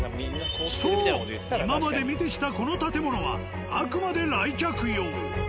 そう今まで見てきたこの建物はあくまで来客用。